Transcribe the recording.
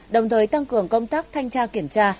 đồng thời tăng cường công tác thanh tra kiểm tra